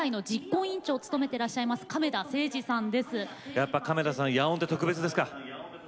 やっぱ亀田さん野音って特別ですか？